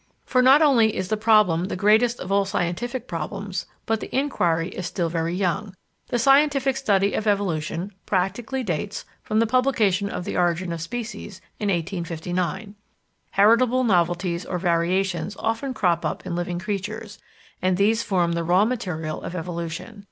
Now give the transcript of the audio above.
For not only is the problem the greatest of all scientific problems, but the inquiry is still very young. The scientific study of evolution practically dates from the publication of The Origin of Species in 1859. Heritable novelties or variations often crop up in living creatures, and these form the raw material of evolution.